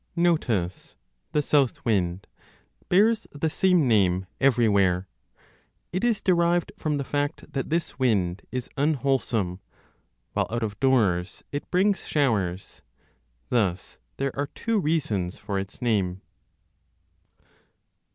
Notus (the South Wind) bears the same name everywhere. It is derived from the fact that this wind is unwholesome, while out of doors it brings showers ; thus there are two reasons for its name.